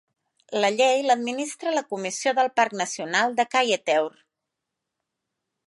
La llei l'administra la Comissió del Parc Nacional de Kaieteur.